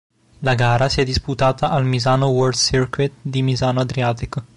La gara si è disputata al Misano World Circuit di Misano Adriatico.